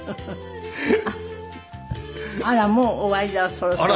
あらもう終わりだわそろそろ。